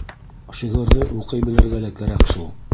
Шиғырҙы уҡый белергә лә кәрәк шул.